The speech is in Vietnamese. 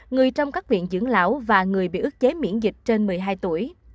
người trong các viện dưỡng lão và người bị ức chế miễn dịch trên một mươi hai tuổi